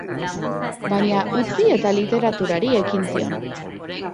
Baina, utzi eta literaturari ekin zion.